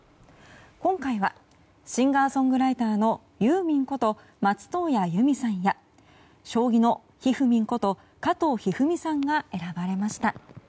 今回はシンガーソングライターのユーミンこと松任谷由実さんや将棋のひふみんこと加藤一二三さんが選ばれました。